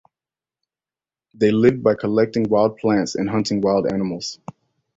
They lived by collecting wild plants and hunting wild animals.